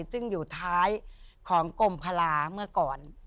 ซึ่งอยู่ท้ายของกรมคลาเมื่อก่อน